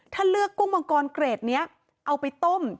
ถ้าเลือกกุ้งมังกรเกรดนี้เอาไปต้ม